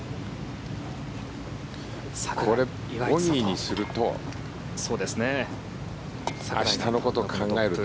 これボギーにすると明日のことを考えると。